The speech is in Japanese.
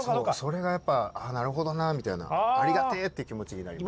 それがやっぱなるほどなみたいなありがてって気持ちになります。